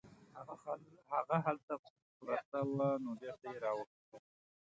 هغه هلته پرته وه نو بیرته یې راوکښله.